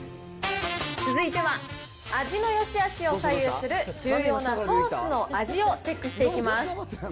続いては、味のよしあしを左右する、重要なソースの味をチェックしていきます。